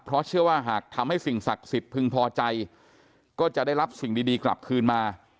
เพราะเชื่อว่าหากทำให้สิ่งศักดิ์สิทธิ์พึงพอใจก็จะได้รับสิ่งดีกลับคืนมา